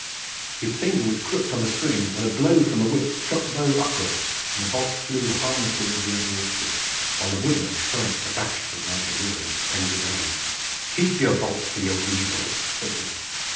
His finger was crooked on the spring, when a blow from a whip struck the bow upward and the bolt flew harmless over the Abbey orchard, while the woodman shrank abashed from Nigel Loring's angry eyes. "Keep your bolts for your weasels!" said he.